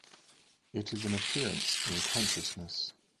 It is an appearance in consciousness.